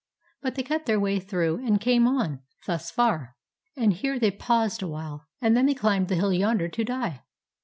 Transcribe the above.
But they cut their way through, and came on — thus far. And here they paused awhile, and then climbed the hill yonder to die.